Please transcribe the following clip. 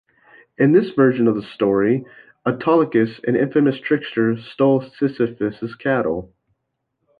In this version of the story, Autolycus, an infamous trickster, stole Sisyphus' cattle.